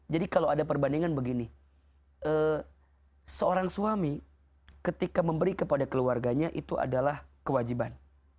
jadi kalau ada perbandingan begini seorang suami ketika memberi kepada keluarganya itu adalah kewajiban